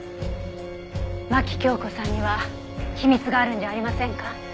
牧京子さんには秘密があるんじゃありませんか？